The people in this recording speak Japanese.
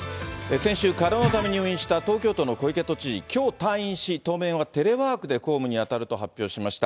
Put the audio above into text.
先週、過労のため入院した東京都の小池知事、きょう退院し、当面はテレワークで公務に当たると発表しました。